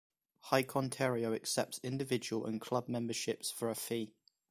Hike Ontario accepts individual and club memberships for a fee.